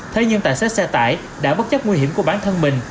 thế nhưng tài xế xe tải đã bất chấp nguy hiểm của bản thân mình